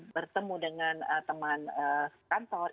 bertemu dengan teman kantor